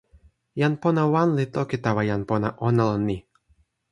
jan pona wan li toki tawa jan pona ona lon ni.